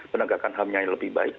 penegakan ham nya yang lebih baik